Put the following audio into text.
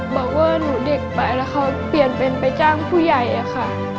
บอกว่าหนูเด็กไปแล้วเขาเปลี่ยนเป็นไปจ้างผู้ใหญ่อะค่ะ